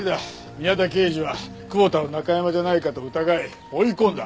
宮田刑事は久保田をナカヤマじゃないかと疑い追い込んだ。